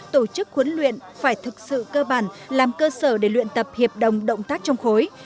tổ chức huấn luyện phải thực sự cơ bản làm cơ sở để luyện tập hiệp đồng động tác trong khối